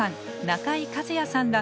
中井和哉さんら